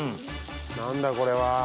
何だこれは。